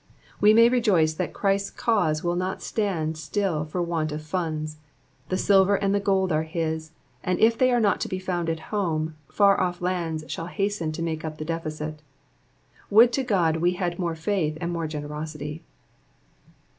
We may rejoice that Christ's cause will not stand still for want of tunds ; the silver and the gold are his, and if they are not to be found at home, far off lands shall hasten to make up the deficit. Would to God we had more faith and more generosity.